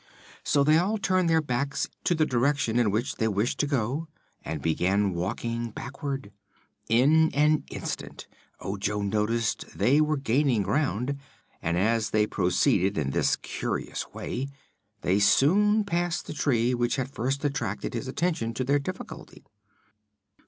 So they all turned their backs to the direction in which they wished to go and began walking backward. In an instant Ojo noticed they were gaining ground and as they proceeded in this curious way they soon passed the tree which had first attracted his attention to their difficulty.